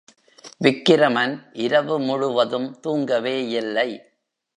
விக்கிரமன் இரவு முழுவதும் தூங்கவேயில்லை.